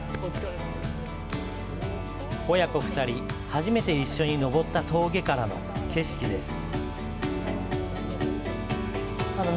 親子２人、初めて一緒に登った峠からの景色です。